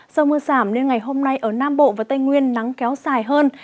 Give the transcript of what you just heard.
do mưa giảm nên ngày hôm nay ở nam bộ và tây nguyên nắng kéo dài hơn